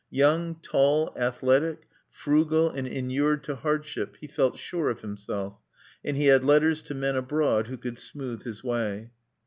Young, tall, athletic, frugal and inured to hardship, he felt sure of himself; and he had letters to men abroad who could smooth his way.